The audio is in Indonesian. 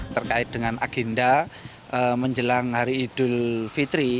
terkait dengan agenda menjelang hari idul fitri